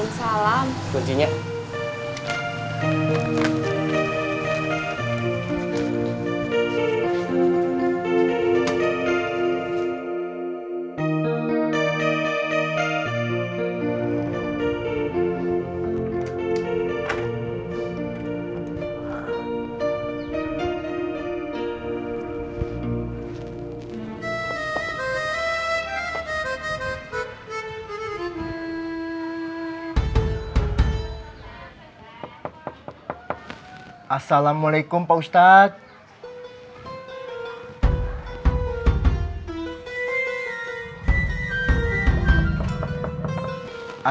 assalamualaikum pak ustadz